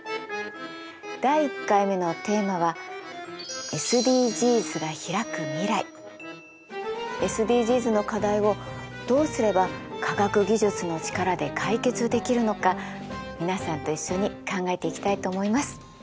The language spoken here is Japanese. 第１回のテーマはＳＤＧｓの課題をどうすれば科学技術の力で解決できるのか皆さんと一緒に考えていきたいと思います。